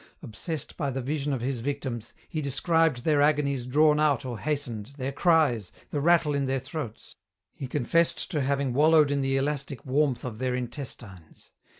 Obsessed by the vision of his victims, he described their agonies drawn out or hastened, their cries, the rattle in their throats. He confessed to having wallowed in the elastic warmth of their intestines.